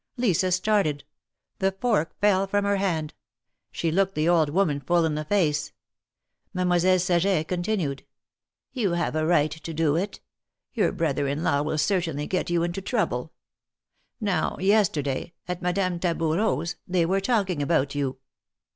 " Lisa started. The fork fell from her hand. She looked the old woman full in the face. Mademoiselle Saget continued: THE MARKETS OF PARIS. 271 You have a right to do it. Your brother in law will certainly get you into trouble. Now yesterday, at Madame Taboureau's, they were talking about you.